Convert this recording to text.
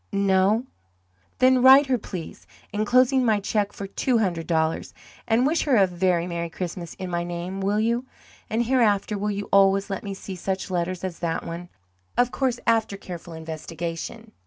No? Then write her, please, enclosing my check for two hundred dollars, and wish her a very Merry Christmas in my name, will you? And hereafter will you always let me see such letters as that one of course after careful investigation?